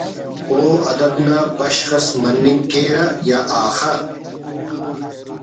او ادب نا بشخ اس مننگ کیرہ یا آخا